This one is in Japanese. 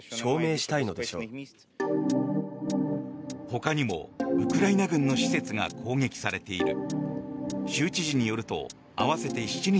ほかにもウクライナ軍の施設が攻撃されている。